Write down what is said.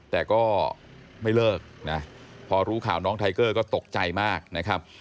แต่ก็ไม่เลิกนะพอรู้ข่าวน้องไทเกอร์ก็ตกใจมากนะครับ